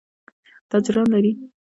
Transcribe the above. تاجران لري.